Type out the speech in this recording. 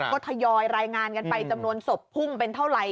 ก็ทยอยรายงานกันไปจำนวนศพพุ่งเป็นเท่าไหร่